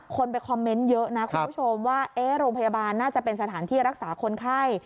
คนไปคอมเมนต์เยอะนะคุณผู้ชมว่าโรงพยาบาลน่าจะเป็นสถานที่รักษาคนไข้